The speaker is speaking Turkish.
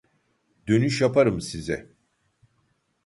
Dönüş yaparım size